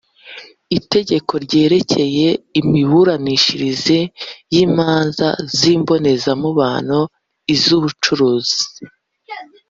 itegeko ryerekeye imiburanishirize y’ imanza z’ imbonezamubano iz’ ubucuruzi